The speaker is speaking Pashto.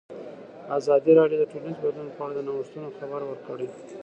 ازادي راډیو د ټولنیز بدلون په اړه د نوښتونو خبر ورکړی.